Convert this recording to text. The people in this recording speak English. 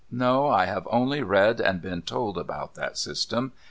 No, I have only read and been told about that system.